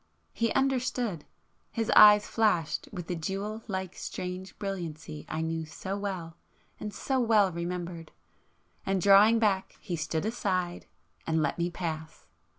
He understood,—his eyes flashed with the jewel like strange brilliancy I knew so well, and so well remembered,—and drawing back he stood aside and—let me pass!